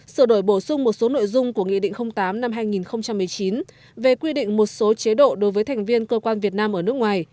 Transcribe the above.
sửa đổi bổ sung một số nội dung của nghị định tám năm hai nghìn một mươi chín về quy định một số chế độ đối với thành viên cơ quan việt nam ở nước ngoài